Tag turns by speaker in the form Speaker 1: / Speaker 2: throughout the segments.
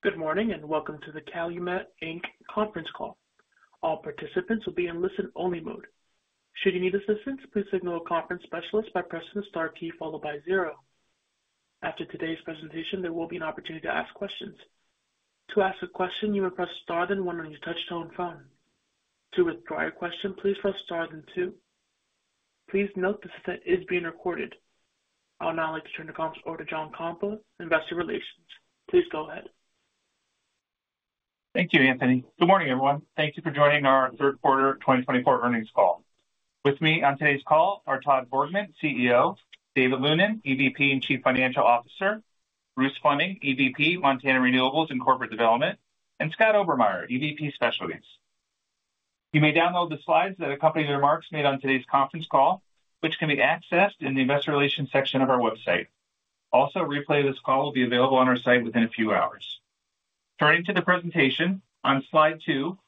Speaker 1: Good morning and welcome to the Calumet, Inc. conference call. All participants will be in listen-only mode. Should you need assistance, please signal a conference specialist by pressing the star key followed by zero. After today's presentation, there will be an opportunity to ask questions. To ask a question, you may press star then one on your touch-tone phone. To withdraw your question, please press star then two. Please note this is being recorded. I'll now like to turn the conference over to John Kompa of Investor Relations. Please go ahead.
Speaker 2: Thank you, Anthony. Good morning, everyone. Thank you for joining our third quarter 2024 earnings call. With me on today's call are Todd Borgmann, CEO; David Lunin, EVP and Chief Financial Officer; Bruce Fleming, EVP, Montana Renewables and Corporate Development; and Scott Obermeier, EVP Specialties. You may download the slides that accompany the remarks made on today's conference call, which can be accessed in the Investor Relations section of our website. Also, a replay of this call will be available on our site within a few hours. Turning to the presentation, on slide two,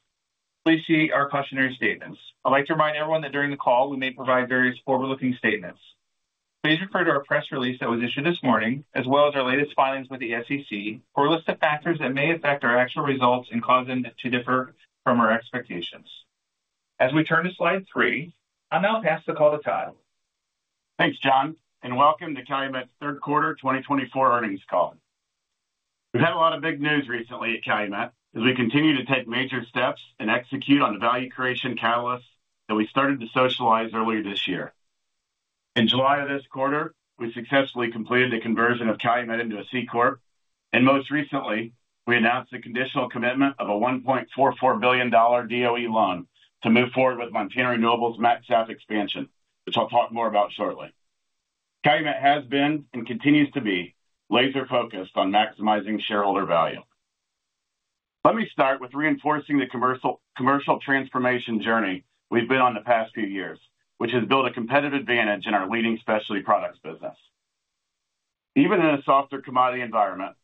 Speaker 2: please see our cautionary statements. I'd like to remind everyone that during the call, we may provide various forward-looking statements. Please refer to our press release that was issued this morning, as well as our latest filings with the SEC, for a list of factors that may affect our actual results and cause them to differ from our expectations. As we turn to slide three, I'll now pass the call to Todd.
Speaker 3: Thanks, John, and welcome to Calumet's third quarter 2024 earnings call. We've had a lot of big news recently at Calumet as we continue to take major steps and execute on the value creation catalysts that we started to socialize earlier this year. In July of this quarter, we successfully completed the conversion of Calumet into a C-Corp, and most recently, we announced the conditional commitment of a $1.44 billion DOE loan to move forward with Montana Renewables' MaxSAF expansion, which I'll talk more about shortly. Calumet has been and continues to be laser-focused on maximizing shareholder value. Let me start with reinforcing the commercial transformation journey we've been on the past few years, which has built a competitive advantage in our leading specialty products business. Even in a softer commodity environment,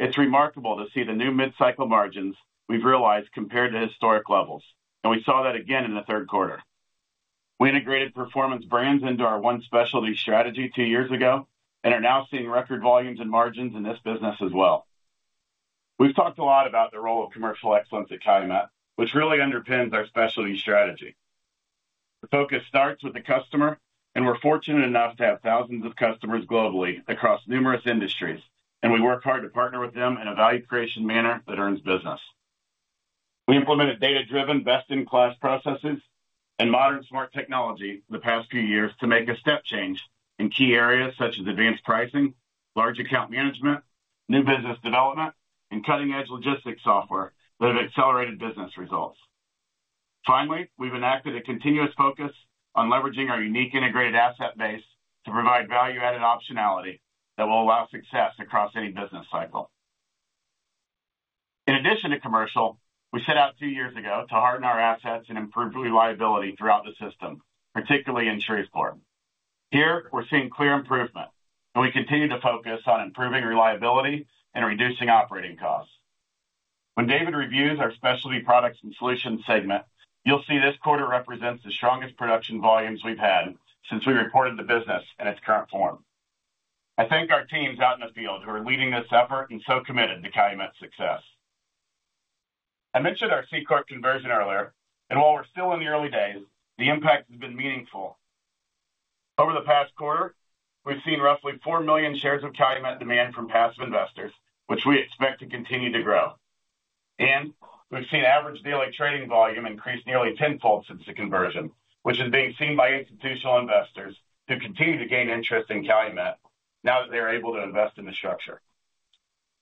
Speaker 3: it's remarkable to see the new mid-cycle margins we've realized compared to historic levels, and we saw that again in the third quarter. We integrated Performance Brands into our One Specialty strategy two years ago and are now seeing record volumes and margins in this business as well. We've talked a lot about the role of commercial excellence at Calumet, which really underpins our specialty strategy. The focus starts with the customer, and we're fortunate enough to have thousands of customers globally across numerous industries, and we work hard to partner with them in a value creation manner that earns business. We implemented data-driven, best-in-class processes and modern smart technology the past few years to make a step change in key areas such as advanced pricing, large account management, new business development, and cutting-edge logistics software that have accelerated business results. Finally, we've enacted a continuous focus on leveraging our unique integrated asset base to provide value-added optionality that will allow success across any business cycle. In addition to commercial, we set out two years ago to harden our assets and improve reliability throughout the system, particularly in Shreveport. Here, we're seeing clear improvement, and we continue to focus on improving reliability and reducing operating costs. When David reviews our Specialty Products and Solutions segment, you'll see this quarter represents the strongest production volumes we've had since we reported the business in its current form. I thank our teams out in the field who are leading this effort and so committed to Calumet's success. I mentioned our C-Corp conversion earlier, and while we're still in the early days, the impact has been meaningful. Over the past quarter, we've seen roughly four million shares of Calumet demand from passive investors, which we expect to continue to grow. And we've seen average daily trading volume increase nearly tenfold since the conversion, which is being seen by institutional investors who continue to gain interest in Calumet now that they're able to invest in the structure.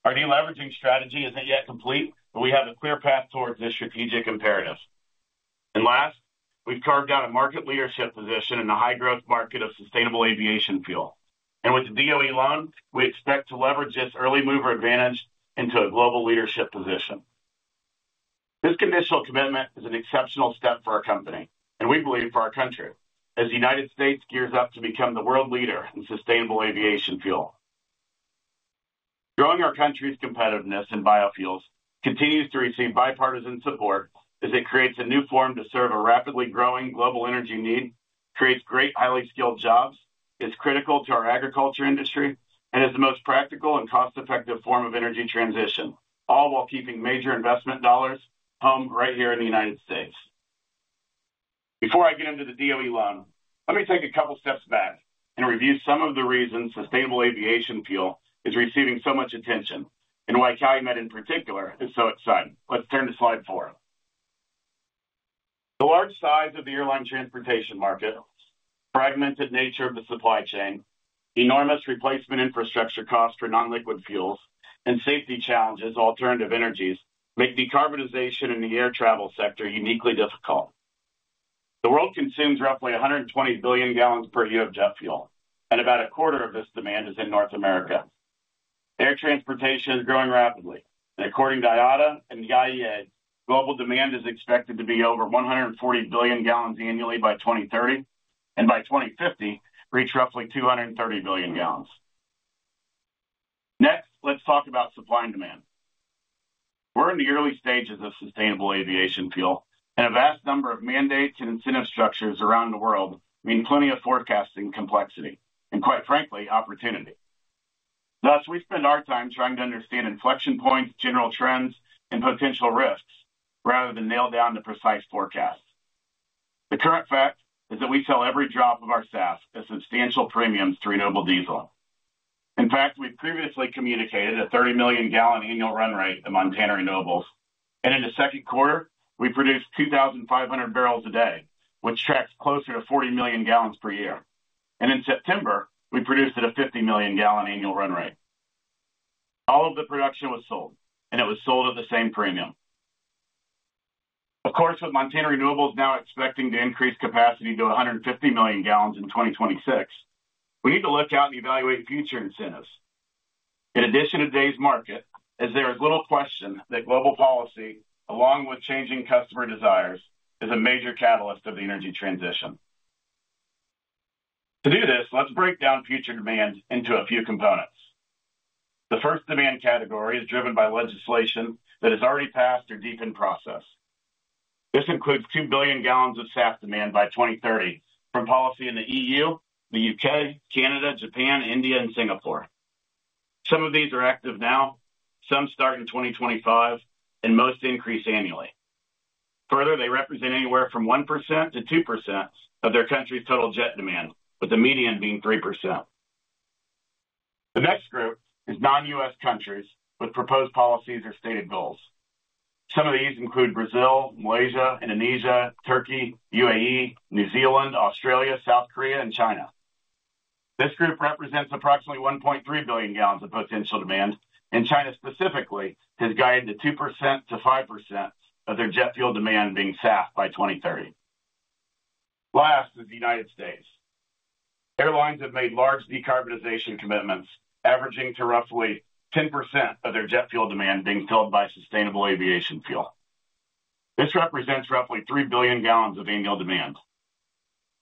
Speaker 3: Our new leveraging strategy isn't yet complete, but we have a clear path towards this strategic imperative. And last, we've carved out a market leadership position in the high-growth market of sustainable aviation fuel, and with the DOE loan, we expect to leverage this early mover advantage into a global leadership position. This conditional commitment is an exceptional step for our company, and we believe for our country, as the United States gears up to become the world leader in sustainable aviation fuel. Growing our country's competitiveness in biofuels continues to receive bipartisan support as it creates a new form to serve a rapidly growing global energy need, creates great highly skilled jobs, is critical to our agriculture industry, and is the most practical and cost-effective form of energy transition, all while keeping major investment dollars home right here in the United States. Before I get into the DOE loan, let me take a couple of steps back and review some of the reasons sustainable aviation fuel is receiving so much attention and why Calumet in particular is so exciting. Let's turn to slide four. The large size of the airline transportation market, fragmented nature of the supply chain, enormous replacement infrastructure costs for non-liquid fuels, and safety challenges of alternative energies make decarbonization in the air travel sector uniquely difficult. The world consumes roughly 120 billion gallons per year of jet fuel, and about a quarter of this demand is in North America. Air transportation is growing rapidly, and according to IATA and the IEA, global demand is expected to be over 140 billion gallons annually by 2030, and by 2050, reach roughly 230 billion gallons. Next, let's talk about supply and demand. We're in the early stages of sustainable aviation fuel, and a vast number of mandates and incentive structures around the world mean plenty of forecasting complexity and, quite frankly, opportunity. Thus, we spend our time trying to understand inflection points, general trends, and potential risks rather than nail down to precise forecasts. The current fact is that we sell every drop of our SAF as substantial premiums to renewable diesel. In fact, we've previously communicated a 30 million gallon annual run rate at Montana Renewables, and in the second quarter, we produced 2,500 barrels a day, which tracks closer to 40 million gallons per year, and in September, we produced at a 50 million gallon annual run rate. All of the production was sold, and it was sold at the same premium. Of course, with Montana Renewables now expecting to increase capacity to 150 million gallons in 2026, we need to look out and evaluate future incentives. In addition to today's market, as there is little question that global policy, along with changing customer desires, is a major catalyst of the energy transition. To do this, let's break down future demand into a few components. The first demand category is driven by legislation that has already passed or deepened process. This includes 2 billion gallons of SAF demand by 2030 from policy in the EU, the UK, Canada, Japan, India, and Singapore. Some of these are active now, some start in 2025, and most increase annually. Further, they represent anywhere from 1%-2% of their country's total jet demand, with the median being 3%. The next group is non-U.S. countries with proposed policies or stated goals. Some of these include Brazil, Malaysia, Indonesia, Turkey, UAE, New Zealand, Australia, South Korea, and China. This group represents approximately 1.3 billion gallons of potential demand, and China specifically has guided to 2%-5% of their jet fuel demand being SAF by 2030. Last is the United States. Airlines have made large decarbonization commitments, averaging to roughly 10% of their jet fuel demand being filled by sustainable aviation fuel. This represents roughly 3 billion gallons of annual demand.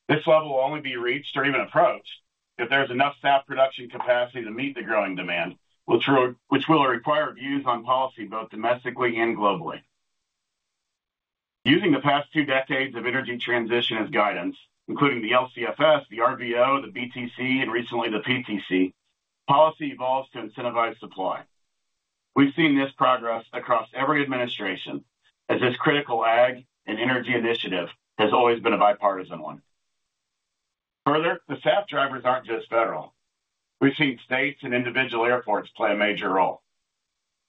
Speaker 3: This level will only be reached or even approached if there is enough SAF production capacity to meet the growing demand, which will require views on policy both domestically and globally. Using the past two decades of energy transition as guidance, including the LCFS, the RVO, the BTC, and recently the PTC, policy evolves to incentivize supply. We've seen this progress across every administration as this critical ag and energy initiative has always been a bipartisan one. Further, the SAF drivers aren't just federal. We've seen states and individual airports play a major role.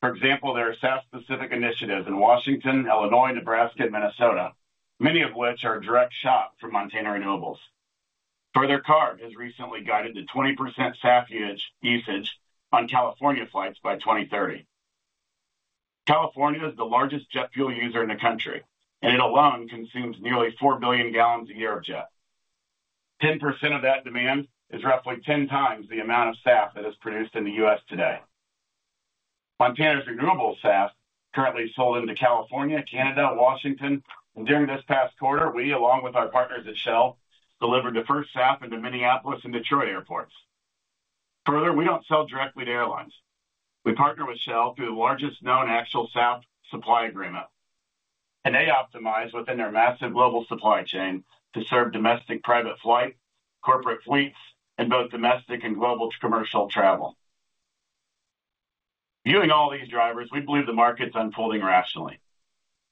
Speaker 3: For example, there are SAF-specific initiatives in Washington, Illinois, Nebraska, and Minnesota, many of which are direct shot from Montana Renewables. Further, CARB has recently guided to 20% SAF usage on California flights by 2030. California is the largest jet fuel user in the country, and it alone consumes nearly 4 billion gallons a year of jet. 10% of that demand is roughly 10 times the amount of SAF that is produced in the U.S. today. Montana's renewable SAF currently is sold into California, Canada, Washington, and during this past quarter, we, along with our partners at Shell, delivered the first SAF into Minneapolis and Detroit airports. Further, we don't sell directly to airlines. We partner with Shell through the largest known actual SAF supply agreement, and they optimize within their massive global supply chain to serve domestic private flight, corporate fleets, and both domestic and global commercial travel. Viewing all these drivers, we believe the market's unfolding rationally.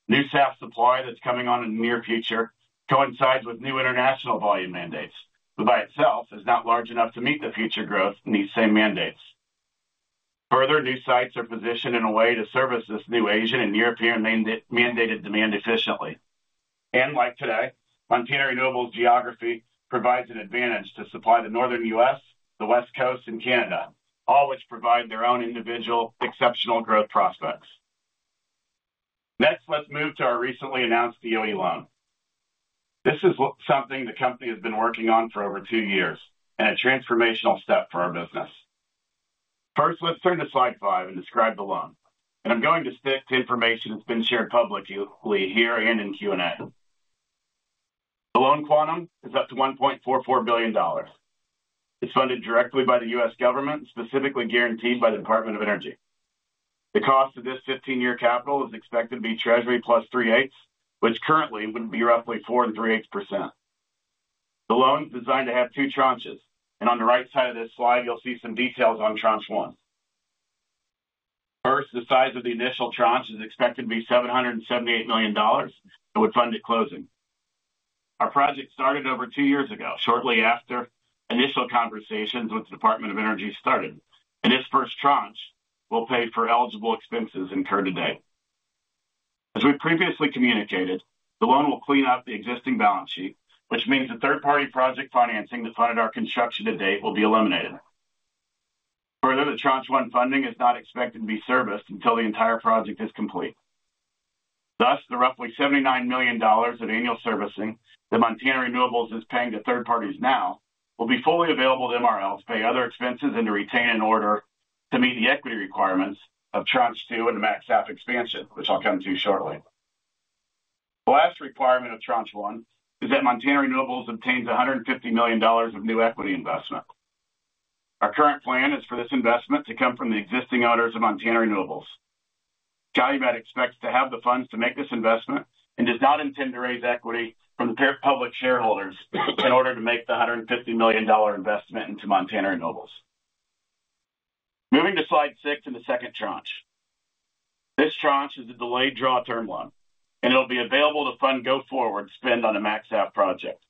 Speaker 3: New SAF supply that's coming on in the near future coincides with new international volume mandates, but by itself is not large enough to meet the future growth in these same mandates. Further, new sites are positioned in a way to service this new Asian and European mandated demand efficiently, and like today, Montana Renewables' geography provides an advantage to supply the northern U.S., the West Coast, and Canada, all which provide their own individual exceptional growth prospects. Next, let's move to our recently announced DOE loan. This is something the company has been working on for over two years and a transformational step for our business. First, let's turn to slide five and describe the loan, and I'm going to stick to information that's been shared publicly here and in Q&A. The loan quantum is up to $1.44 billion. It's funded directly by the U.S. Government and specifically guaranteed by the Department of Energy. The cost of this 15-year capital is expected to be Treasury plus three-eighths, which currently would be roughly 4 and three-eighths%. The loan is designed to have two tranches, and on the right side of this slide, you'll see some details on tranche one. First, the size of the initial tranche is expected to be $778 million and would fund at closing. Our project started over two years ago, shortly after initial conversations with the Department of Energy started, and this first tranche will pay for eligible expenses incurred today. As we previously communicated, the loan will clean up the existing balance sheet, which means the third-party project financing that funded our construction to date will be eliminated. Further, the tranche one funding is not expected to be serviced until the entire project is complete. Thus, the roughly $79 million of annual servicing that Montana Renewables is paying to third parties now will be fully available to MRL to pay other expenses and to retain in order to meet the equity requirements of tranche two and the max SAF expansion, which I'll come to shortly. The last requirement of tranche one is that Montana Renewables obtains $150 million of new equity investment. Our current plan is for this investment to come from the existing owners of Montana Renewables. Calumet expects to have the funds to make this investment and does not intend to raise equity from the public shareholders in order to make the $150 million investment into Montana Renewables. Moving to slide six in the second tranche. This tranche is a delayed draw term loan, and it'll be available to fund go-forward spend on a max SAF project.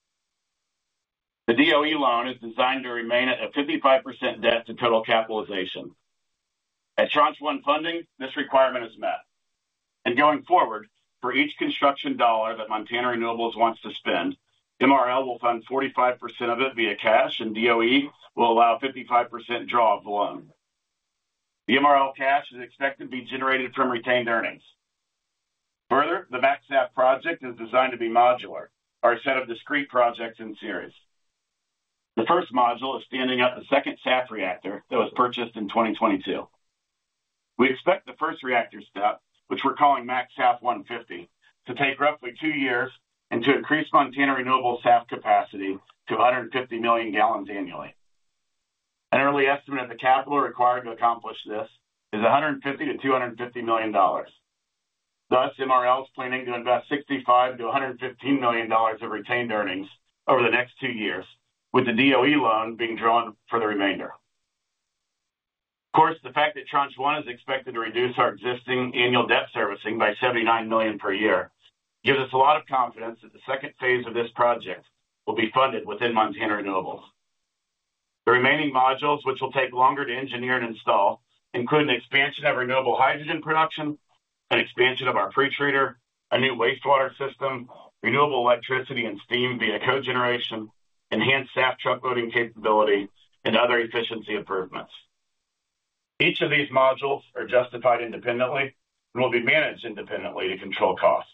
Speaker 3: The DOE loan is designed to remain at a 55% debt to total capitalization. At tranche one funding, this requirement is met, and going forward, for each construction dollar that Montana Renewables wants to spend, MRL will fund 45% of it via cash, and DOE will allow 55% draw of the loan. The MRL cash is expected to be generated from retained earnings. Further, the max SAF project is designed to be modular, or a set of discrete projects in series. The first module is standing up the second SAF reactor that was purchased in 2022. We expect the first reactor step, which we're calling max SAF 150, to take roughly two years and to increase Montana Renewables' SAF capacity to 150 million gallons annually. An early estimate of the capital required to accomplish this is $150-$250 million. Thus, MRL is planning to invest $65-$115 million of retained earnings over the next two years, with the DOE loan being drawn for the remainder. Of course, the fact that tranche one is expected to reduce our existing annual debt servicing by $79 million per year gives us a lot of confidence that the second phase of this project will be funded within Montana Renewables. The remaining modules, which will take longer to engineer and install, include an expansion of renewable hydrogen production, an expansion of our pre-treater, our new wastewater system, renewable electricity and steam via cogeneration, enhanced SAF truckloading capability, and other efficiency improvements. Each of these modules is justified independently and will be managed independently to control costs.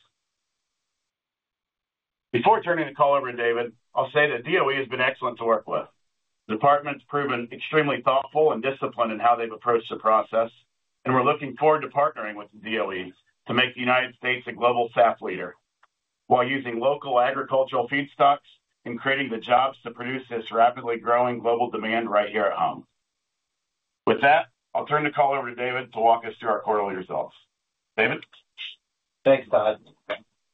Speaker 3: Before turning the call over to David, I'll say that DOE has been excellent to work with. The department has proven extremely thoughtful and disciplined in how they've approached the process, and we're looking forward to partnering with the DOE to make the United States a global SAF leader while using local agricultural feedstocks and creating the jobs to produce this rapidly growing global demand right here at home. With that, I'll turn the call over to David to walk us through our quarterly results. David? Thanks, Todd.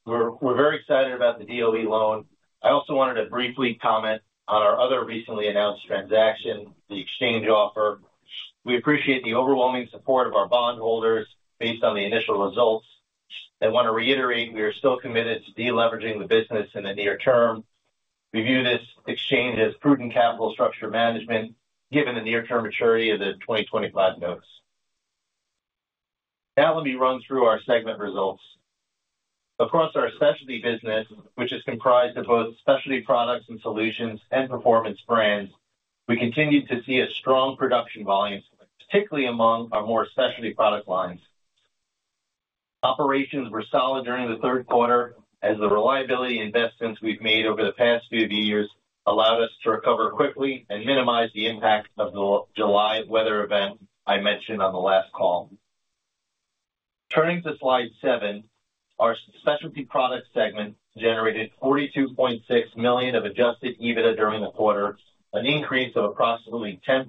Speaker 3: We're very excited about the DOE loan. I also wanted to briefly comment on our other recently announced transaction, the exchange offer. We appreciate the overwhelming support of our bondholders based on the initial results. I want to reiterate we are still committed to deleveraging the business in the near term. We view this exchange as prudent capital structure management given the near-term maturity of the 2025 notes. Now let me run through our segment results. Across our specialty business, which is comprised of both specialty products and solutions and performance brands, we continue to see a strong production volume, particularly among our more specialty product lines. Operations were solid during the third quarter as the reliability investments we've made over the past few years allowed us to recover quickly and minimize the impact of the July weather event I mentioned on the last call. Turning to slide seven, our specialty product segment generated $42.6 million of Adjusted EBITDA during the quarter, an increase of approximately 10%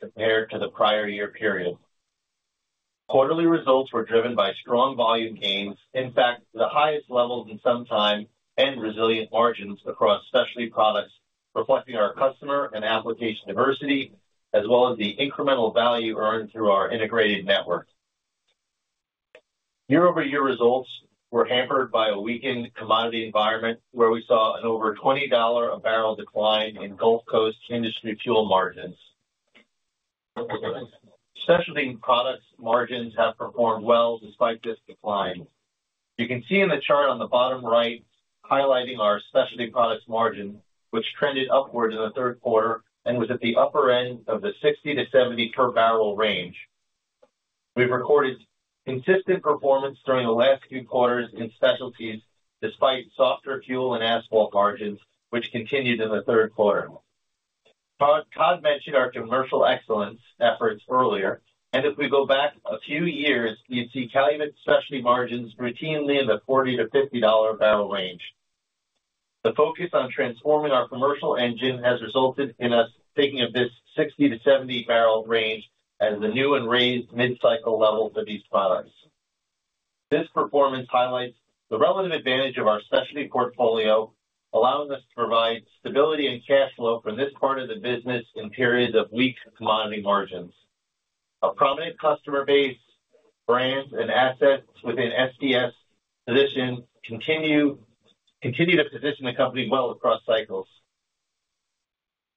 Speaker 3: compared to the prior year period. Quarterly results were driven by strong volume gains, in fact, the highest levels in some time, and resilient margins across specialty products, reflecting our customer and application diversity, as well as the incremental value earned through our integrated network. Year-over-year results were hampered by a weakened commodity environment where we saw an over $20 a barrel decline in Gulf Coast industry fuel margins. Specialty products margins have performed well despite this decline. You can see in the chart on the bottom right highlighting our specialty products margin, which trended upward in the third quarter and was at the upper end of the 60-70 per barrel range. We've recorded consistent performance during the last few quarters in specialties despite softer fuel and asphalt margins, which continued in the third quarter. Todd mentioned our commercial excellence efforts earlier, and if we go back a few years, you'd see Calumet specialty margins routinely in the $40-$50 a barrel range. The focus on transforming our commercial engine has resulted in us thinking of this 60-70 barrel range as the new and raised mid-cycle levels of these products. This performance highlights the relative advantage of our specialty portfolio, allowing us to provide stability and cash flow for this part of the business in periods of weak commodity margins. A prominent customer base, brands, and assets within SPS position continue to position the company well across cycles.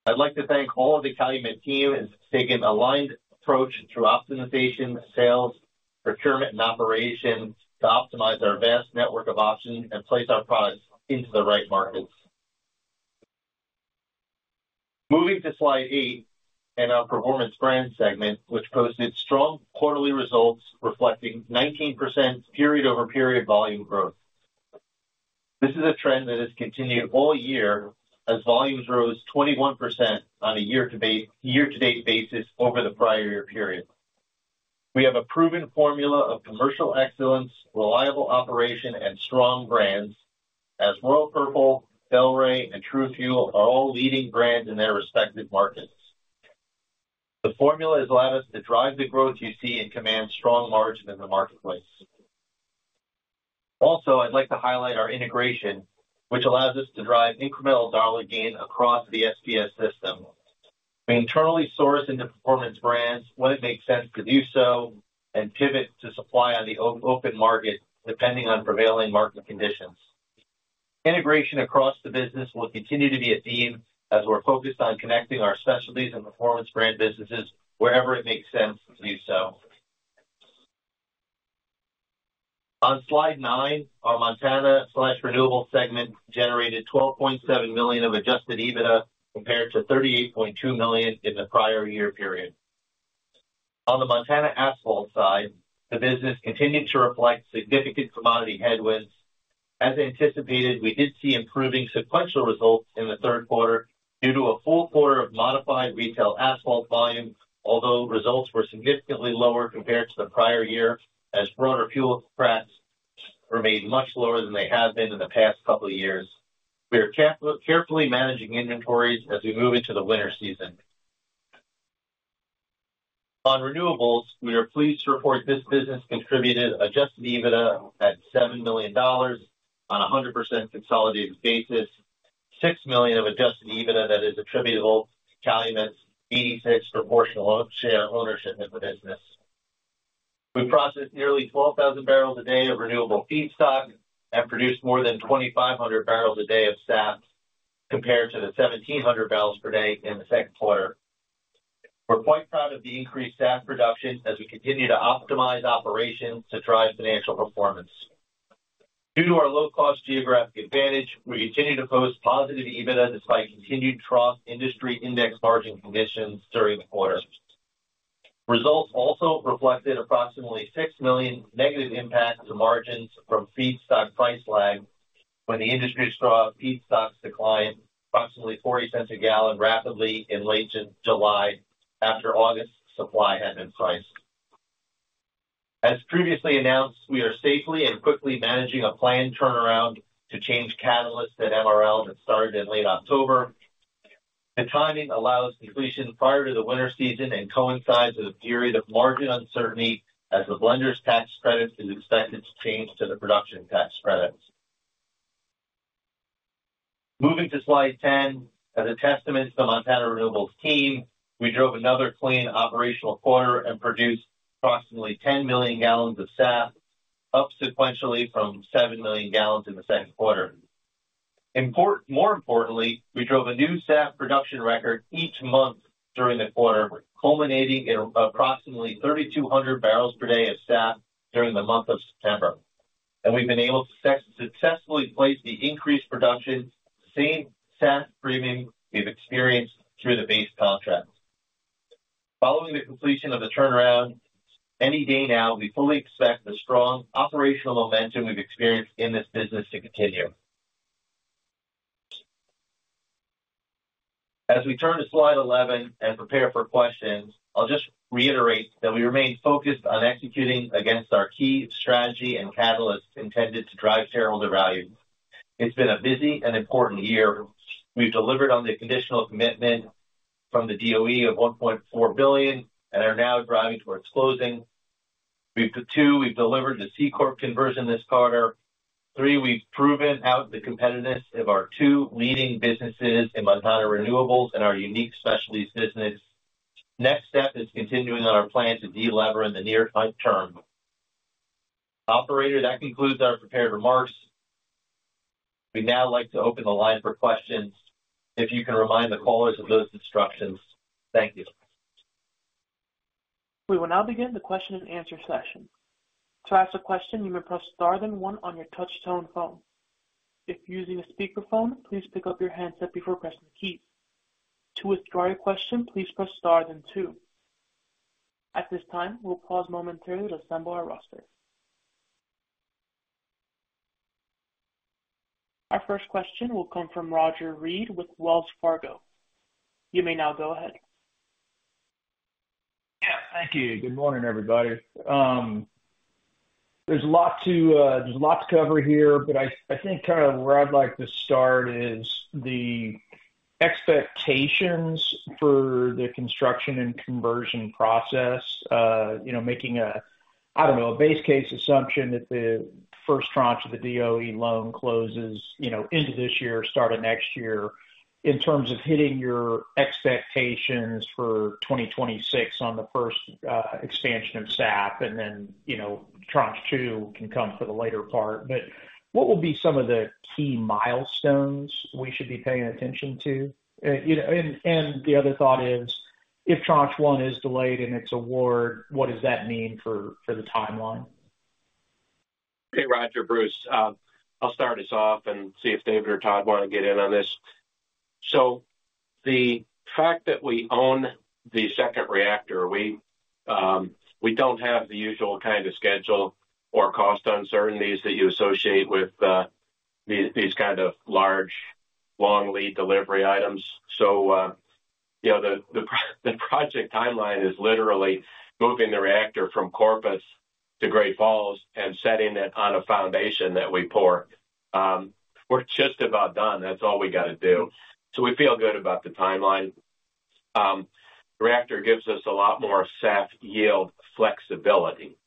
Speaker 3: I'd like to thank all of the Calumet team and take an aligned approach through optimization, sales, procurement, and operation to optimize our vast network of options and place our products into the right markets. Moving to slide eight and our performance brand segment, which posted strong quarterly results reflecting 19% period-over-period volume growth. This is a trend that has continued all year as volumes rose 21% on a year-to-date basis over the prior year period. We have a proven formula of commercial excellence, reliable operation, and strong brands as Royal Purple, Bel-Ray, and TruFuel are all leading brands in their respective markets. The formula has allowed us to drive the growth you see and command strong margin in the marketplace. Also, I'd like to highlight our integration, which allows us to drive incremental dollar gain across the SPS system. We internally source into performance brands when it makes sense to do so and pivot to supply on the open market depending on prevailing market conditions. Integration across the business will continue to be a theme as we're focused on connecting our specialties and performance brand businesses wherever it makes sense to do so. On slide nine, our Montana Renewables segment generated $12.7 million of Adjusted EBITDA compared to $38.2 million in the prior year period. On the Montana asphalt side, the business continued to reflect significant commodity headwinds. As anticipated, we did see improving sequential results in the third quarter due to a full quarter of modified retail asphalt volume, although results were significantly lower compared to the prior year as broader fuel credits remained much lower than they have been in the past couple of years. We are carefully managing inventories as we move into the winter season. On renewables, we are pleased to report this business contributed Adjusted EBITDA at $7 million on a 100% consolidated basis, $6 million of Adjusted EBITDA that is attributable to Calumet's 86% share ownership in the business. We processed nearly 12,000 barrels a day of renewable feedstock and produced more than 2,500 barrels a day of SAF compared to the 1,700 barrels per day in the second quarter. We're quite proud of the increased SAF production as we continue to optimize operations to drive financial performance. Due to our low-cost geographic advantage, we continue to post positive EBITDA despite continued trough industry index margin conditions during the quarter. Results also reflected approximately $6 million negative impact to margins from feedstock price lag when the industry saw feedstocks decline approximately $0.40 a gallon rapidly in late July after August supply had been priced. As previously announced, we are safely and quickly managing a planned turnaround to change catalysts at MRL that started in late October. The timing allows completion prior to the winter season and coincides with a period of margin uncertainty as the Blender's Tax Credits is expected to change to the Production tax credits. Moving to slide 10, as a testament to Montana Renewables' team, we drove another clean operational quarter and produced approximately 10 million gallons of SAF up sequentially from seven million gallons in the second quarter. More importantly, we drove a new SAF production record each month during the quarter, culminating in approximately 3,200 barrels per day of SAF during the month of September, and we've been able to successfully place the increased production, same SAF premium we've experienced through the base contract. Following the completion of the turnaround, any day now, we fully expect the strong operational momentum we've experienced in this business to continue. As we turn to slide 11 and prepare for questions, I'll just reiterate that we remain focused on executing against our key strategy and catalysts intended to drive shareholder value. It's been a busy and important year. We've delivered on the conditional commitment from the DOE of $1.4 billion and are now driving towards closing. Two, we've delivered the C-Corp conversion this quarter. Three, we've proven out the competitiveness of our two leading businesses in Montana Renewables and our unique specialties business. Next step is continuing on our plan to deleverage in the near term. Operator, that concludes our prepared remarks. We'd now like to open the line for questions. If you can remind the callers of those instructions. Thank you. We will now begin the question and answer session. To ask a question, you may press star then one on your touch-tone phone. If using a speakerphone, please pick up your handset before pressing the keys. To withdraw your question, please press star then two. At this time, we'll pause momentarily to assemble our roster. Our first question will come from Roger Reed with Wells Fargo. You may now go ahead. Yeah, thank you. Good morning, everybody. There's a lot to cover here, but I think kind of where I'd like to start is the expectations for the construction and conversion process, making, I don't know, a base case assumption that the first tranche of the DOE loan closes into this year, starting next year, in terms of hitting your expectations for 2026 on the first expansion of SAF, and then tranche two can come for the later part. But what will be some of the key milestones we should be paying attention to? And the other thought is, if tranche one is delayed and its award, what does that mean for the timeline? Okay, Roger, Bruce. I'll start us off and see if David or Todd want to get in on this. So the fact that we own the second reactor, we don't have the usual kind of schedule or cost uncertainties that you associate with these kind of large, long lead delivery items. So the project timeline is literally moving the reactor from Corpus Christi to Great Falls and setting it on a foundation that we pour. We're just about done. That's all we got to do. So we feel good about the timeline. The reactor gives us a lot more SAF yield flexibility,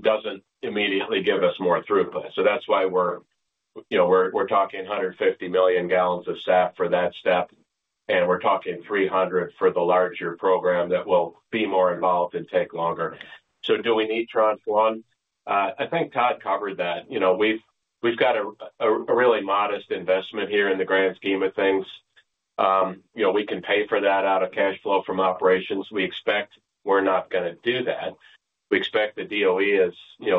Speaker 3: doesn't immediately give us more throughput. So that's why we're talking 150 million gallons of SAF for that step, and we're talking 300 for the larger program that will be more involved and take longer. So do we need tranche one? I think Todd covered that. We've got a really modest investment here in the grand scheme of things. We can pay for that out of cash flow from operations. We expect we're not going to do that. We expect the DOE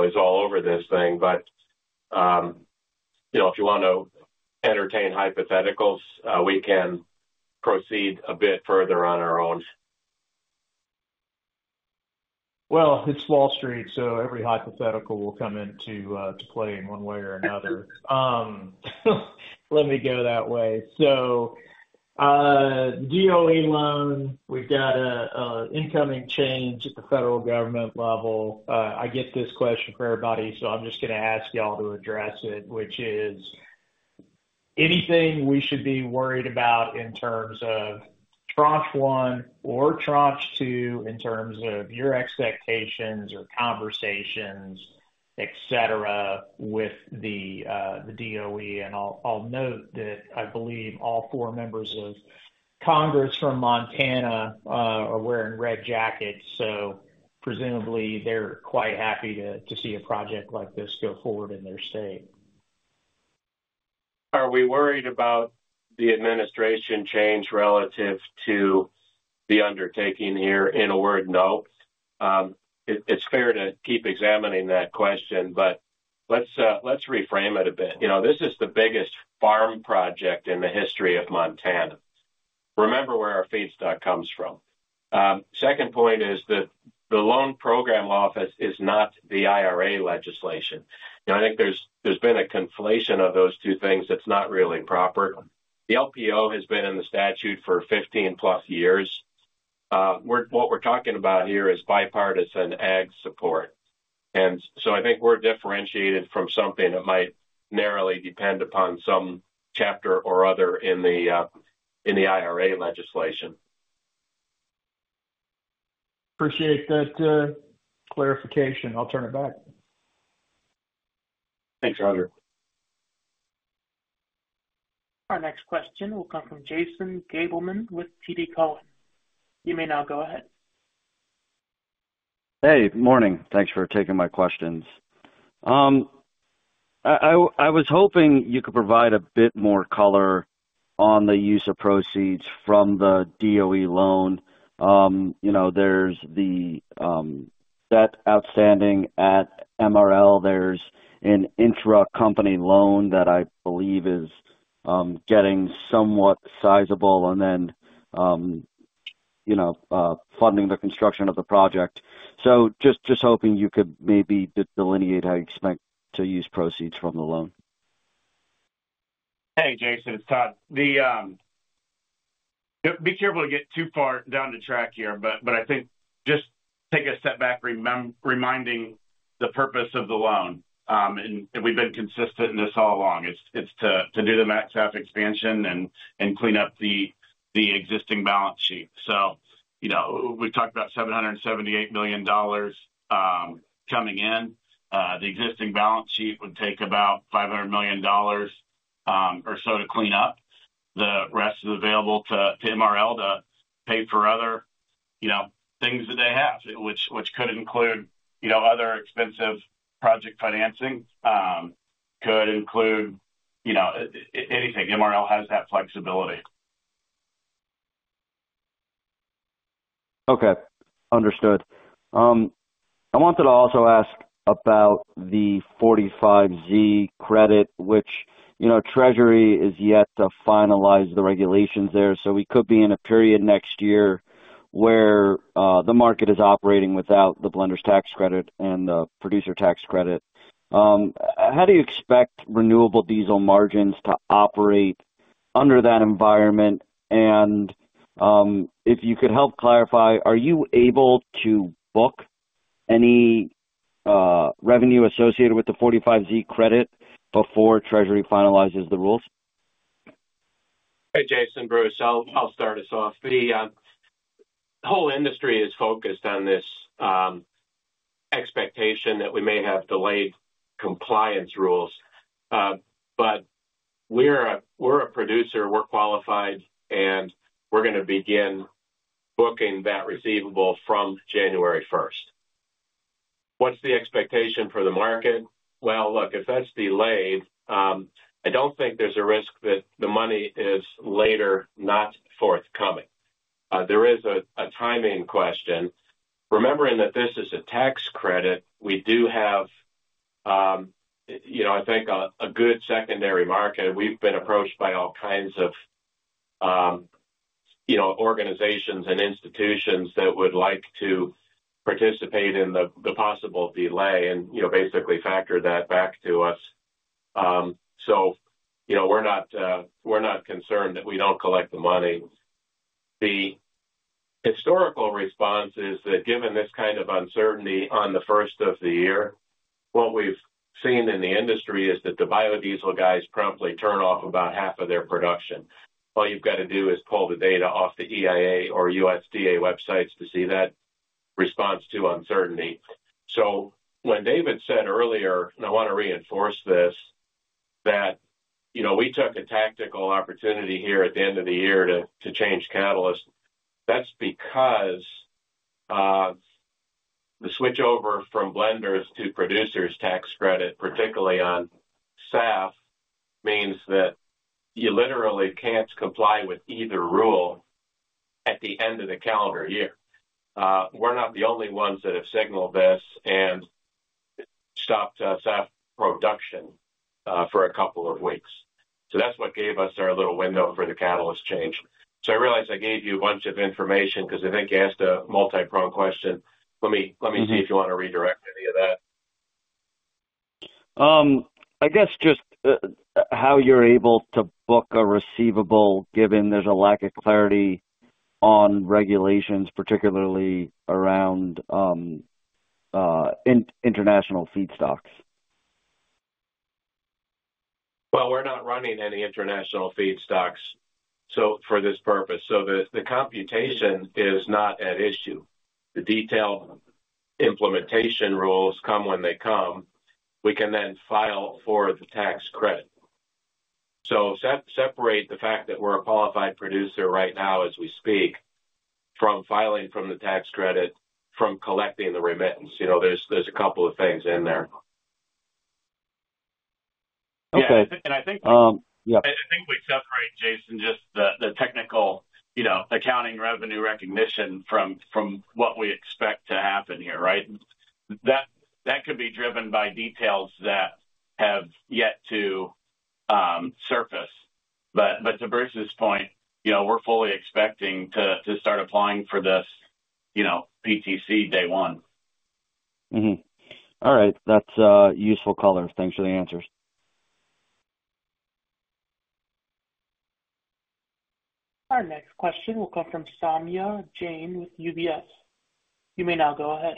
Speaker 3: is all over this thing. But if you want to entertain hypotheticals, we can proceed a bit further on our own, well, it's Wall Street, so every hypothetical will come into play in one way or another. Let me go that way, so DOE loan, we've got an incoming change at the federal government level. I get this question for everybody, so I'm just going to ask y'all to address it, which is, anything we should be worried about in terms of tranche one or tranche two in terms of your expectations or conversations, etc., with the DOE? I'll note that I believe all four members of Congress from Montana are wearing red jackets, so presumably they're quite happy to see a project like this go forward in their state. Are we worried about the administration change relative to the undertaking here? In a word, no. It's fair to keep examining that question, but let's reframe it a bit. This is the biggest farm project in the history of Montana. Remember where our feedstock comes from. Second point is that the loan program office is not the IRA legislation. I think there's been a conflation of those two things that's not really proper. The LPO has been in the statute for 15 plus years. What we're talking about here is bipartisan ag support. And so I think we're differentiated from something that might narrowly depend upon some chapter or other in the IRA legislation. Appreciate that clarification. I'll turn it back. Thanks, Roger. Our next question will come from Jason Gabelman with TD Cowen. You may now go ahead. Hey, good morning. Thanks for taking my questions. I was hoping you could provide a bit more color on the use of proceeds from the DOE loan. There's the debt outstanding at MRL. There's an intracompany loan that I believe is getting somewhat sizable and then funding the construction of the project. So just hoping you could maybe delineate how you expect to use proceeds from the loan. Hey, Jason, it's Todd. Be careful to get too far down the track here, but I think just take a step back, reminding the purpose of the loan. And we've been consistent in this all along. It's to do the max SAF expansion and clean up the existing balance sheet. So we've talked about $778 million coming in. The existing balance sheet would take about $500 million or so to clean up. The rest is available to MRL to pay for other things that they have, which could include other expensive project financing, could include anything. MRL has that flexibility. Okay. Understood. I wanted to also ask about the 45Z credit, which Treasury is yet to finalize the regulations there. So we could be in a period next year where the market is operating without the blender's tax credit and the producer tax credit. How do you expect renewable diesel margins to operate under that environment? And if you could help clarify, are you able to book any revenue associated with the 45Z credit before Treasury finalizes the rules? Hey, Jason, Bruce, I'll start us off. The whole industry is focused on this expectation that we may have delayed compliance rules, but we're a producer. We're qualified, and we're going to begin booking that receivable from January 1st. What's the expectation for the market? Look, if that's delayed, I don't think there's a risk that the money is later, not forthcoming. There is a timing question. Remembering that this is a tax credit, we do have, I think, a good secondary market. We've been approached by all kinds of organizations and institutions that would like to participate in the possible delay and basically factor that back to us. So we're not concerned that we don't collect the money. The historical response is that given this kind of uncertainty on the first of the year, what we've seen in the industry is that the biodiesel guys promptly turn off about half of their production. All you've got to do is pull the data off the EIA or USDA websites to see that response to uncertainty. So when David said earlier, and I want to reinforce this, that we took a tactical opportunity here at the end of the year to change catalyst. That's because the switchover from blender's to producer's tax credit, particularly on SAF, means that you literally can't comply with either rule at the end of the calendar year. We're not the only ones that have signaled this and stopped SAF production for a couple of weeks. So that's what gave us our little window for the catalyst change. So I realize I gave you a bunch of information because I think you asked a multi-pronged question. Let me see if you want to redirect any of that. I guess just how you're able to book a receivable given there's a lack of clarity on regulations, particularly around international feedstocks. Well, we're not running any international feedstocks for this purpose. So the computation is not at issue. The detailed implementation rules come when they come. We can then file for the tax credit. So separate the fact that we're a qualified producer right now as we speak from filing from the tax credit from collecting the remittance. There's a couple of things in there. Okay. And I think we separate, Jason, just the technical accounting revenue recognition from what we expect to happen here, right? That could be driven by details that have yet to surface. But to Bruce's point, we're fully expecting to start applying for this PTC day one. All right. That's useful colors. Thanks for the answers. Our next question will come from Samia Jain with UBS. You may now go ahead.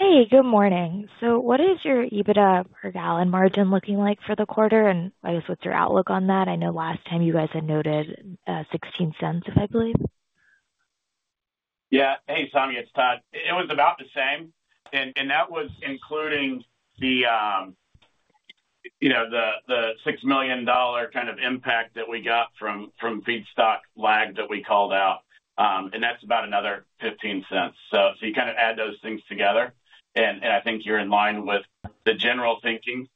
Speaker 3: Hey, good morning. So what is your EBITDA per gallon margin looking like for the quarter? And I guess what's your outlook on that? I know last time you guys had noted $0.16, I believe. Yeah. Hey, Samia, it's Todd. It was about the same. And that was including the $6 million kind of impact that we got from feedstock lag that we called out. And that's about another $0.15. So you kind of add those things together. And I think you're in line with the general thinking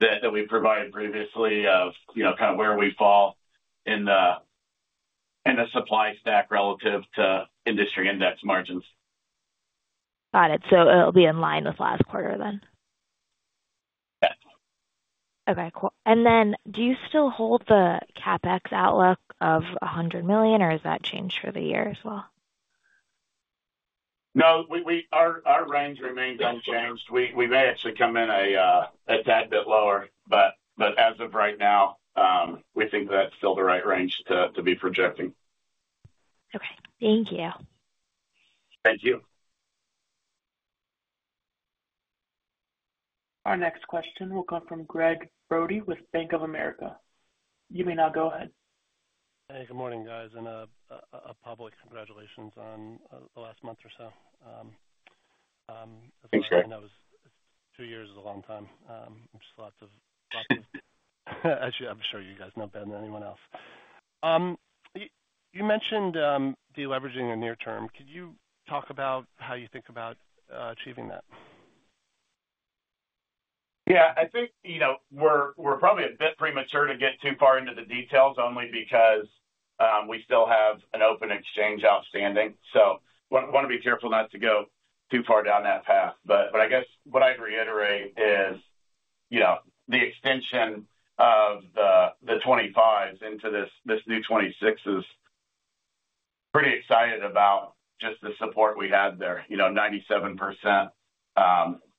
Speaker 3: that we provided previously of kind of where we fall in the supply stack relative to industry index margins. Got it. So it'll be in line with last quarter then? Yes. Okay. Cool. And then do you still hold the CapEx outlook of $100 million, or has that changed for the year as well? No, our range remains unchanged. We may actually come in a tad bit lower, but as of right now, we think that's still the right range to be projecting. Okay. Thank you. Thank you. Our next question will come from Greg Brody with Bank of America. You may now go ahead. Hey, good morning, guys. And a public congratulations on the last month or so. Thanks, Greg. That was two years is a long time. Just lots of, actually, I'm sure you guys know better than anyone else. You mentioned deleveraging in the near term. Could you talk about how you think about achieving that? Yeah. I think we're probably a bit premature to get too far into the details only because we still have an open exchange outstanding. So I want to be careful not to go too far down that path. But I guess what I'd reiterate is the extension of the 25s into this new 26s. Pretty excited about just the support we had there, 97%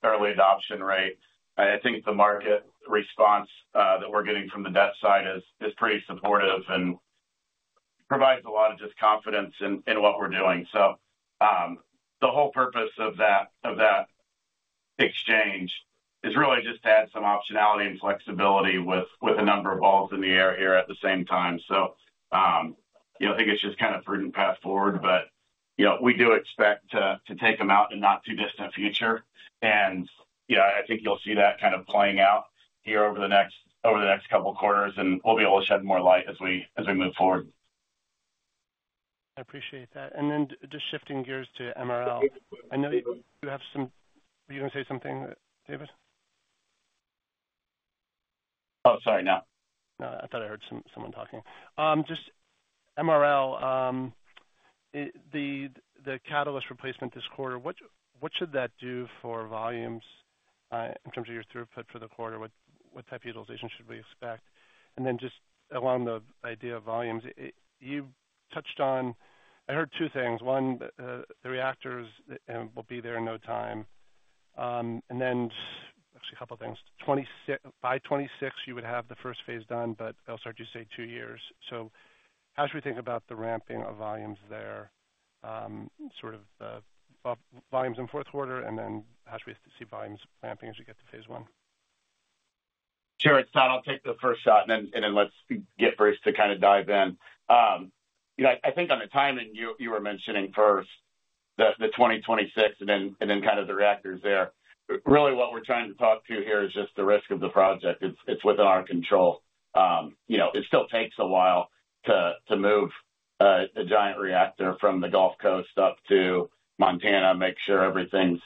Speaker 3: early adoption rate. I think the market response that we're getting from the debt side is pretty supportive and provides a lot of just confidence in what we're doing. So the whole purpose of that exchange is really just to add some optionality and flexibility with a number of balls in the air here at the same time. So I think it's just kind of prudent path forward, but we do expect to take them out in not too distant future. And I think you'll see that kind of playing out here over the next couple of quarters, and we'll be able to shed more light as we move forward. I appreciate that. And then just shifting gears to MRL. I know you have some-were you going to say something, David? Oh, sorry, no. No, I thought I heard someone talking. Just MRL, the catalyst replacement this quarter, what should that do for volumes in terms of your throughput for the quarter? What type of utilization should we expect? And then just along the idea of volumes, you touched on, I heard two things. One, the reactors will be there in no time. And then actually a couple of things. By 26, you would have the first phase done, but I'll start you to say two years. So how should we think about the ramping of volumes there, sort of volumes in fourth quarter, and then how should we see volumes ramping as we get to phase one? Sure. It's Todd, I'll take the first shot, and then let's get Bruce to kind of dive in. I think on the timing, you were mentioning first the 2026 and then kind of the reactors there. Really, what we're trying to talk to here is just the risk of the project. It's within our control. It still takes a while to move a giant reactor from the Gulf Coast up to Montana, make sure everything's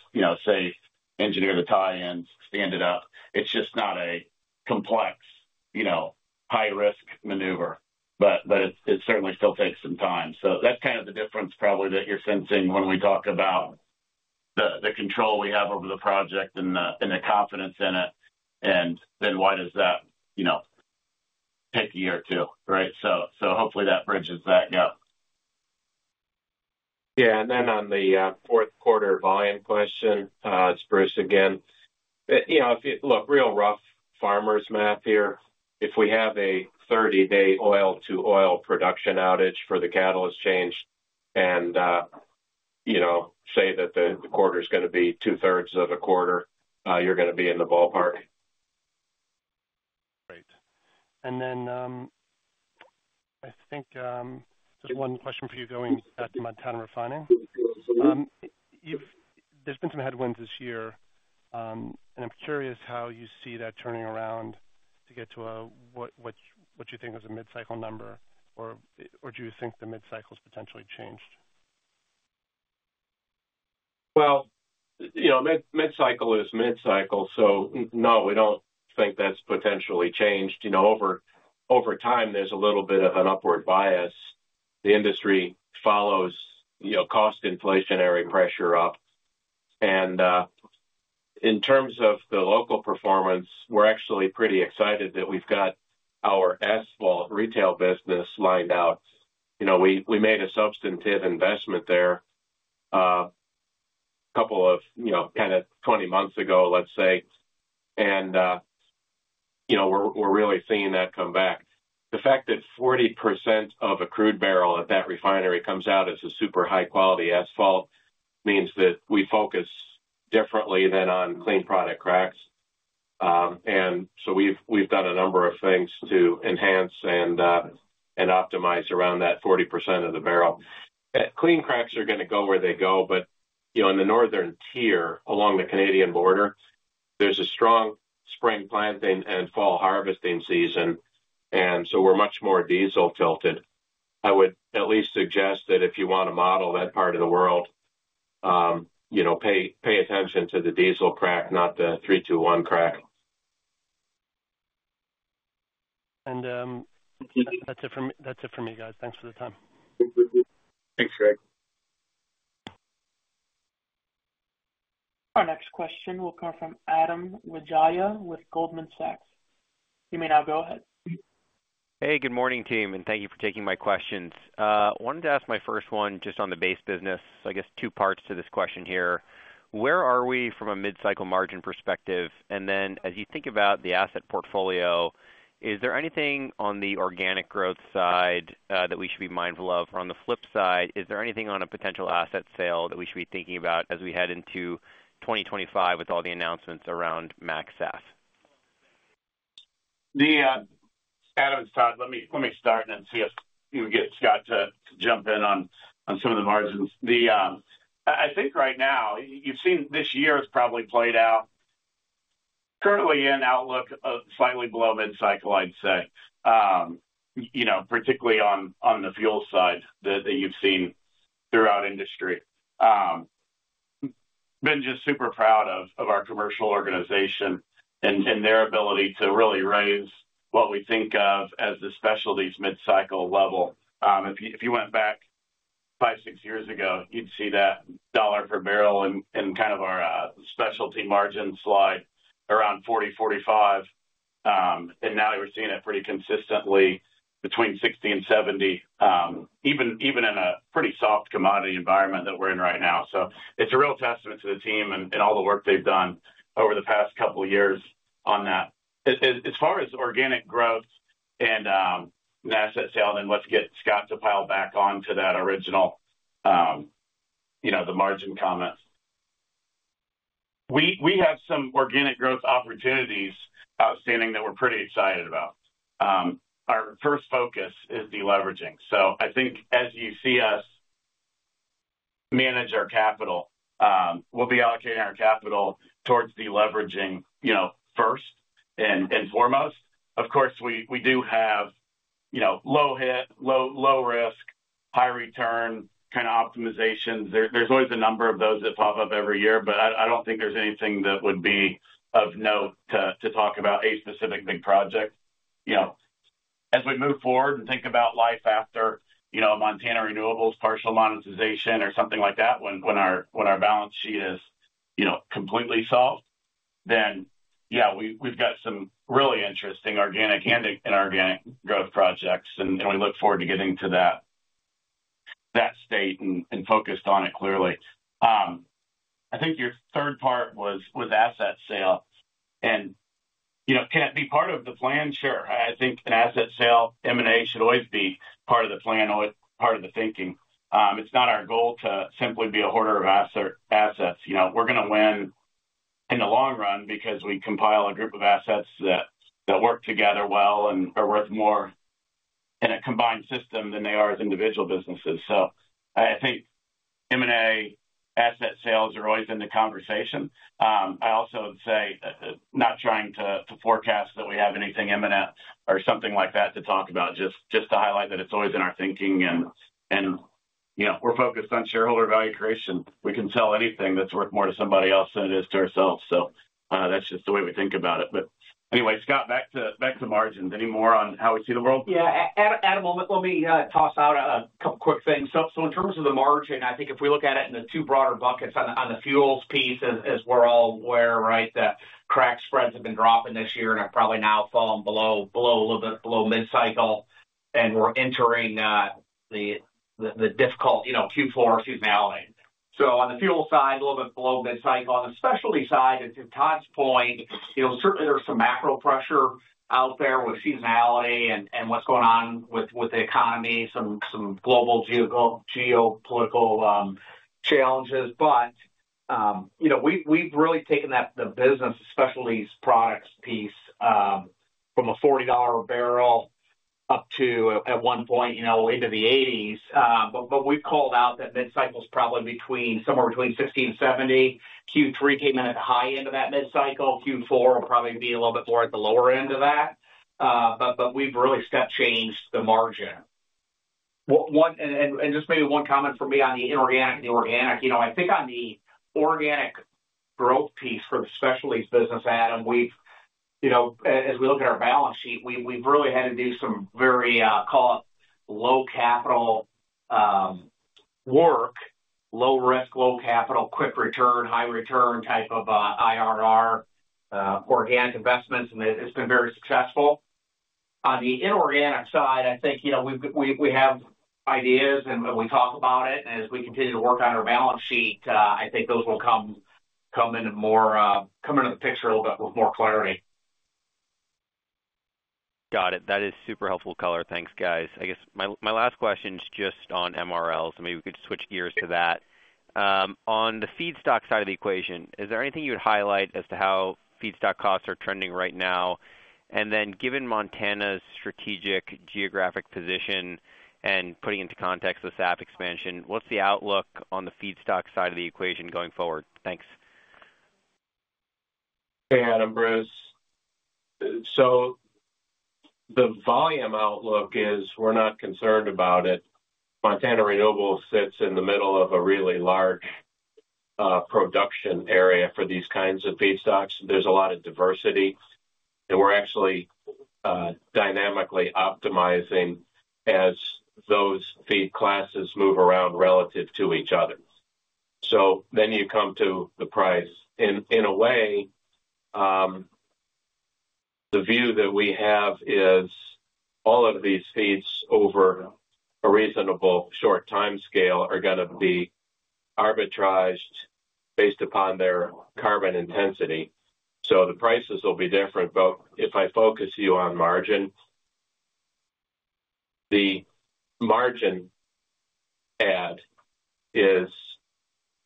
Speaker 3: safe, engineer the tie-ins, stand it up. It's just not a complex, high-risk maneuver, but it certainly still takes some time. So that's kind of the difference probably that you're sensing when we talk about the control we have over the project and the confidence in it, and then why does that take a year or two, right? So hopefully that bridges that gap. Yeah. And then on the fourth quarter volume question, it's Bruce again. Look, real rough farmers' math here. If we have a 30-day oil-to-oil production outage for the catalyst change and say that the quarter is going to be two-thirds of a quarter, you're going to be in the ballpark. Right. And then I think just one question for you going back to Montana refining. There's been some headwinds this year, and I'm curious how you see that turning around to get to what you think is a mid-cycle number, or do you think the mid-cycle is potentially changed? Well, mid-cycle is mid-cycle. So no, we don't think that's potentially changed. Over time, there's a little bit of an upward bias. The industry follows cost inflationary pressure up. And in terms of the local performance, we're actually pretty excited that we've got our SWAL retail business lined out. We made a substantive investment there a couple of kind of 20 months ago, let's say, and we're really seeing that come back. The fact that 40% of a crude barrel at that refinery comes out as a super high-quality asphalt means that we focus differently than on clean product cracks. And so we've done a number of things to enhance and optimize around that 40% of the barrel. Clean cracks are going to go where they go, but in the northern tier along the Canadian border, there's a strong spring planting and fall harvesting season. And so we're much more diesel-tilted. I would at least suggest that if you want to model that part of the world, pay attention to the diesel crack, not the 321 crack. And that's it from me, guys. Thanks for the time. Thanks, Greg. Our next question will come from Adam Wijaya with Goldman Sachs. You may now go ahead. Hey, good morning, team, and thank you for taking my questions. I wanted to ask my first one just on the base business. So I guess two parts to this question here. Where are we from a mid-cycle margin perspective? And then as you think about the asset portfolio, is there anything on the organic growth side that we should be mindful of? Or on the flip side, is there anything on a potential asset sale that we should be thinking about as we head into 2025 with all the announcements around MaxSAF? Adam and Todd, let me start and then see if you get Scott to jump in on some of the margins. I think right now, you've seen this year has probably played out. Currently in outlook of slightly below mid-cycle, I'd say, particularly on the fuel side that you've seen throughout industry. Been just super proud of our commercial organization and their ability to really raise what we think of as the specialties mid-cycle level. If you went back five, six years ago, you'd see that $ per barrel and kind of our specialty margin slide around $40, $45, and now we're seeing it pretty consistently between $60 and $70, even in a pretty soft commodity environment that we're in right now, so it's a real testament to the team and all the work they've done over the past couple of years on that. As far as organic growth and asset sale, then let's get Scott to pile back onto that original, the margin comments. We have some organic growth opportunities outstanding that we're pretty excited about. Our first focus is deleveraging. So I think as you see us manage our capital, we'll be allocating our capital towards deleveraging first and foremost. Of course, we do have low risk, high return kind of optimizations. There's always a number of those that pop up every year, but I don't think there's anything that would be of note to talk about a specific big project. As we move forward and think about life after Montana Renewables partial monetization or something like that, when our balance sheet is completely solved, then yeah, we've got some really interesting organic and inorganic growth projects, and we look forward to getting to that state and focused on it clearly. I think your third part was asset sale, and can it be part of the plan? Sure. I think an asset sale, M&A should always be part of the plan, part of the thinking. It's not our goal to simply be a hoarder of assets. We're going to win in the long run because we compile a group of assets that work together well and are worth more in a combined system than they are as individual businesses. So I think M&A asset sales are always in the conversation. I also would say not trying to forecast that we have anything imminent or something like that to talk about, just to highlight that it's always in our thinking. And we're focused on shareholder value creation. We can sell anything that's worth more to somebody else than it is to ourselves. So that's just the way we think about it. But anyway, Scott, back to margins. Any more on how we see the world? Yeah. Adam will let me toss out a couple of quick things. So, in terms of the margin, I think if we look at it in the two broader buckets, on the fuels piece, as we're all aware, right, that crack spreads have been dropping this year and are probably now falling a little bit below mid-cycle. We're entering the difficult Q4 seasonality. So, on the fuel side, a little bit below mid-cycle. On the specialty side, to Todd's point, certainly there's some macro pressure out there with seasonality and what's going on with the economy, some global geopolitical challenges. But we've really taken the business, especially products piece, from a $40 barrel up to, at one point, into the 80s. But we've called out that mid-cycle is probably somewhere between 60 and 70. Q3 came in at the high end of that mid-cycle. Q4 will probably be a little bit more at the lower end of that. But we've really step-changed the margin. And just maybe one comment for me on the inorganic and the organic. I think on the organic growth piece for the specialties business, Adam, as we look at our balance sheet, we've really had to do some very, call it low-capital work, low-risk, low-capital, quick return, high-return type of IRR organic investments, and it's been very successful. On the inorganic side, I think we have ideas and we talk about it. And as we continue to work on our balance sheet, I think those will come into the picture a little bit with more clarity. Got it. That is super helpful, color. Thanks, guys. I guess my last question is just on MRLs, and maybe we could switch gears to that. On the feedstock side of the equation, is there anything you would highlight as to how feedstock costs are trending right now? And then, given Montana's strategic geographic position and putting into context the SAF expansion, what's the outlook on the feedstock side of the equation going forward? Thanks. Hey, Adam, Bruce. So the volume outlook is we're not concerned about it. Montana Renewables sits in the middle of a really large production area for these kinds of feedstocks. There's a lot of diversity, and we're actually dynamically optimizing as those feed classes move around relative to each other. So then you come to the price. In a way, the view that we have is all of these feeds over a reasonable short time scale are going to be arbitraged based upon their carbon intensity. So the prices will be different. But if I focus you on margin, the margin add is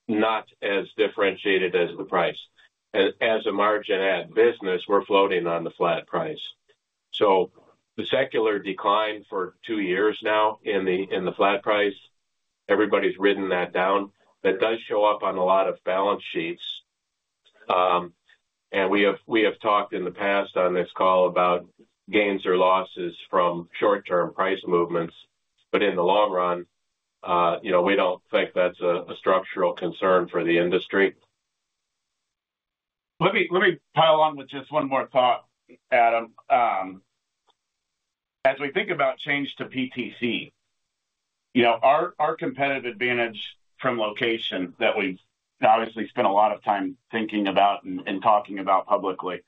Speaker 3: not as differentiated as the price. And as a margin add business, we're floating on the flat price. So the secular decline for two years now in the flat price, everybody's written that down. That does show up on a lot of balance sheets. And we have talked in the past on this call about gains or losses from short-term price movements. But in the long run, we don't think that's a structural concern for the industry. Let me pile on with just one more thought, Adam. As we think about change to PTC, our competitive advantage from location that we've obviously spent a lot of time thinking about and talking about publicly,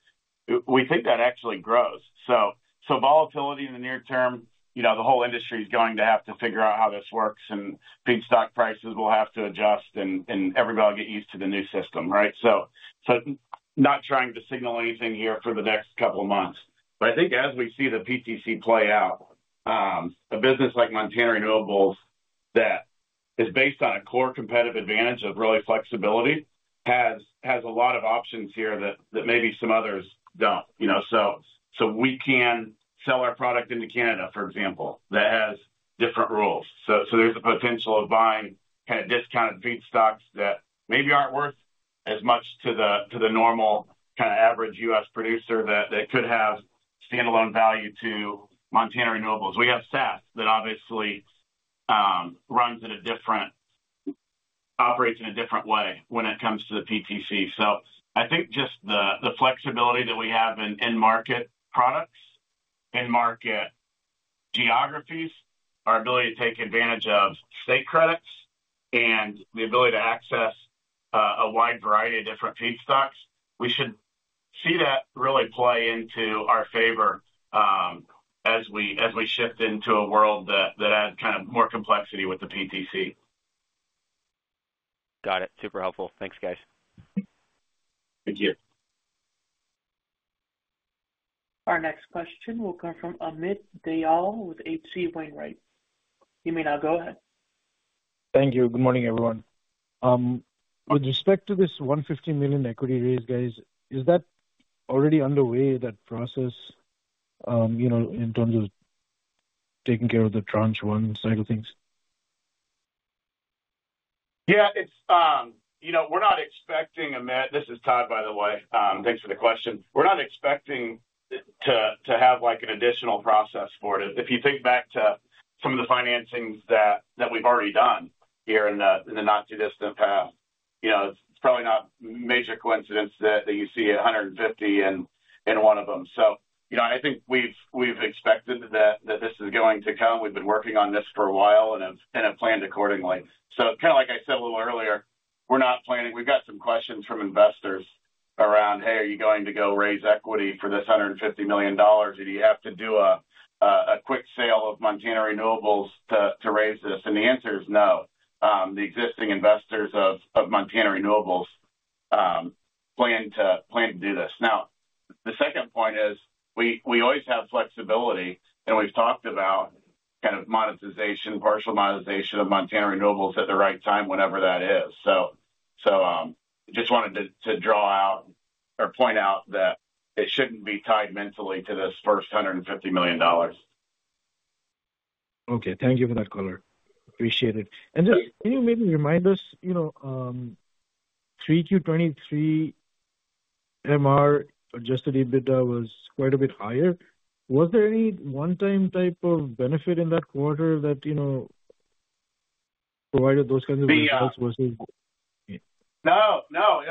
Speaker 3: we think that actually grows. So volatility in the near term, the whole industry is going to have to figure out how this works, and feedstock prices will have to adjust, and everybody will get used to the new system, right? So not trying to signal anything here for the next couple of months. But I think as we see the PTC play out, a business like Montana Renewables that is based on a core competitive advantage of real flexibility has a lot of options here that maybe some others don't. So we can sell our product into Canada, for example, that has different rules. So there's a potential of buying kind of discounted feedstocks that maybe aren't worth as much to the normal kind of average U.S. producer that could have standalone value to Montana Renewables. We have SAF that obviously operates in a different way when it comes to the PTC. So I think just the flexibility that we have in market products, in market geographies, our ability to take advantage of state credits, and the ability to access a wide variety of different feedstocks. We should see that really play into our favor as we shift into a world that adds kind of more complexity with the PTC. Got it. Super helpful. Thanks, guys. Thank you. Our next question will come from Amit Dayal with H.C. Wainwright. You may now go ahead. Thank you. Good morning, everyone. With respect to this $150 million equity raise, guys, is that already underway, that process, in terms of taking care of the tranche one side of things? Yeah. We're not expecting—this is Todd, by the way. Thanks for the question. We're not expecting to have an additional process for it. If you think back to some of the financings that we've already done here in the not-too-distant past, it's probably not a major coincidence that you see 150 in one of them. So I think we've expected that this is going to come. We've been working on this for a while and have planned accordingly. So kind of like I said a little earlier, we're not planning. We've got some questions from investors around, "Hey, are you going to go raise equity for this $150 million? Do you have to do a quick sale of Montana Renewables to raise this?" And the answer is no. The existing investors of Montana Renewables plan to do this. Now, the second point is we always have flexibility, and we've talked about kind of monetization, partial monetization of Montana Renewables at the right time, whenever that is. So just wanted to draw out or point out that it shouldn't be tied mentally to this first $150 million. Okay. Thank you for that, caller. Appreciate it. And just can you maybe remind us, 3Q23 MR adjusted EBITDA was quite a bit higher. Was there any one-time type of benefit in that quarter that provided those kinds of results versus? No, no.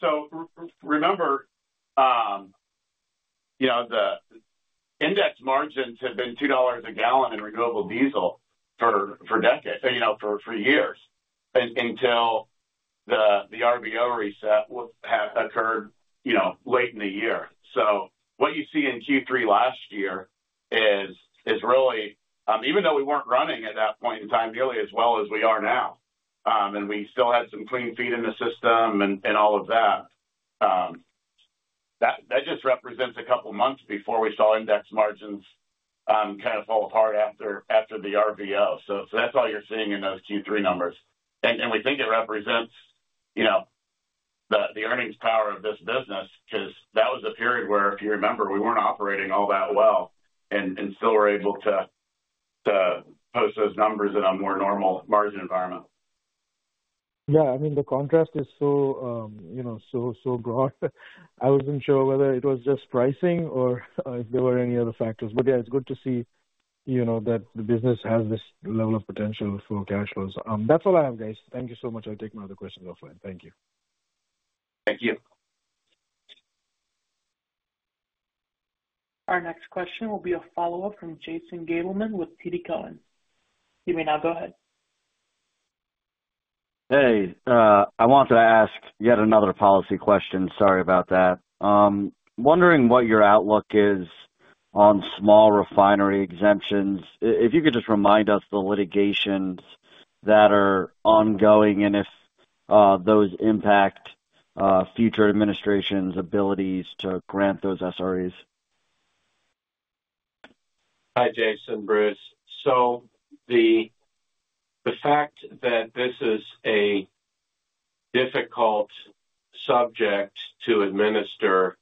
Speaker 3: So remember, the index margins have been $2 a gallon in renewable diesel for years. Until the RVO reset occurred late in the year. So what you see in Q3 last year is really, even though we weren't running at that point in time nearly as well as we are now, and we still had some clean feed in the system and all of that, that just represents a couple of months before we saw index margins kind of fall apart after the RVO. So that's all you're seeing in those Q3 numbers. And we think it represents the earnings power of this business because that was a period where, if you remember, we weren't operating all that well and still were able to post those numbers in a more normal margin environment. Yeah. I mean, the contrast is so broad. I wasn't sure whether it was just pricing or if there were any other factors. But yeah, it's good to see that the business has this level of potential for cash flows. That's all I have, guys. Thank you so much. I'll take my other questions offline. Thank you. Thank you. Our next question will be a follow-up from Jason Gabelman with TD Cowen. You may now go ahead. Hey, I wanted to ask yet another policy question. Sorry about that. Wondering what your outlook is on small refinery exemptions. If you could just remind us the litigations that are ongoing and if those impact future administration's abilities to grant those SREs? Hi, Jason, Bruce. So the fact that this is a difficult subject to administer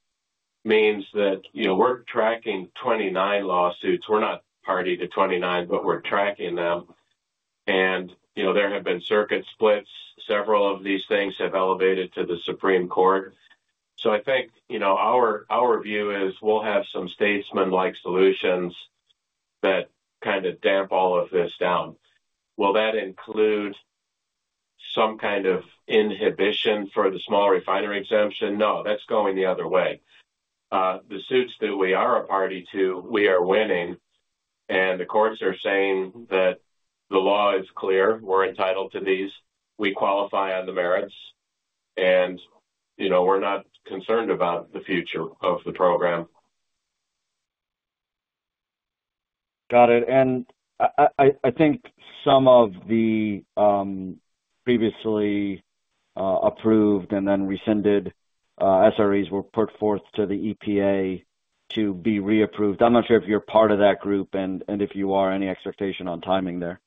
Speaker 3: means that we're tracking 29 lawsuits. We're not party to 29, but we're tracking them. And there have been circuit splits. Several of these things have elevated to the Supreme Court. So I think our view is we'll have some statesman-like solutions that kind of damp all of this down. Will that include some kind of inhibition for the small refinery exemption? No, that's going the other way. The suits that we are a party to, we are winning. And the courts are saying that the law is clear. We're entitled to these. We qualify on the merits. And we're not concerned about the future of the program. Got it. I think some of the previously approved and then rescinded SREs were put forth to the EPA to be reapproved. I'm not sure if you're part of that group and if you are, any expectation on timing there?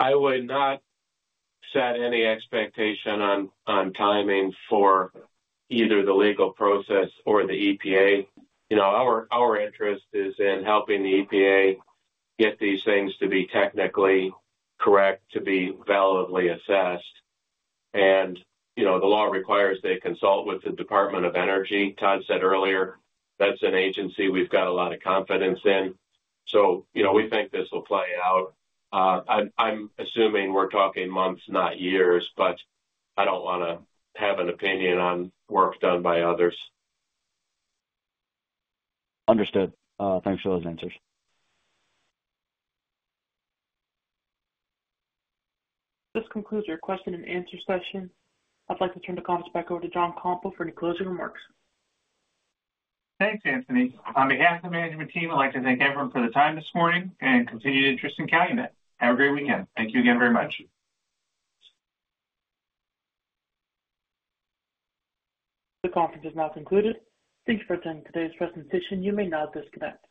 Speaker 3: I would not set any expectation on timing for either the legal process or the EPA. Our interest is in helping the EPA get these things to be technically correct, to be validly assessed. The law requires they consult with the Department of Energy, Todd said earlier. That's an agency we've got a lot of confidence in. We think this will play out. I'm assuming we're talking months, not years, but I don't want to have an opinion on work done by others. Understood. Thanks for those answers. This concludes your question and answer session. I'd like to turn the conference back over to John Kompa for any closing remarks. Thanks, Anthony. On behalf of the management team, I'd like to thank everyone for their time this morning and continued interest in Calumet. Have a great weekend. Thank you again very much. The conference is now concluded. Thank you for attending today's presentation. You may now disconnect.